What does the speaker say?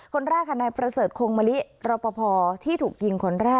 คนแรกค่ะนายประเสริฐคงมะลิรอปภที่ถูกยิงคนแรก